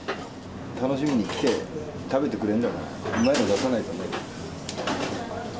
楽しみに来て、食べてくれるんだから、うまいの出さないとね。